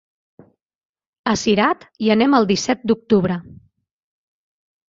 A Cirat hi anem el disset d'octubre.